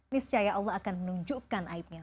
niscaya allah akan menunjukkan aibnya